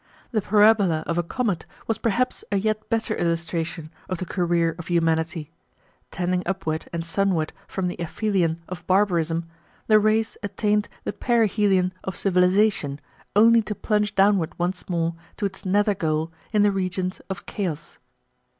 The parabola of a comet was perhaps a yet better illustration of the career of humanity. Tending upward and sunward from the aphelion of barbarism, the race attained the perihelion of civilization only to plunge downward once more to its nether goal in the regions of chaos.